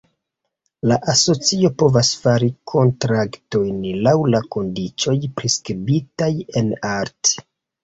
La Asocio povas fari kontraktojn, laŭ la kondiĉoj priskribitaj en art.